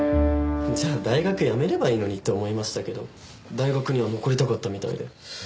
じゃあ大学やめればいいのにって思いましたけど大学には残りたかったみたいで。